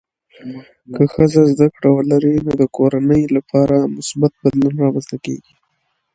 که ښځه زده کړه ولري، نو د کورنۍ لپاره مثبت بدلون رامنځته کېږي.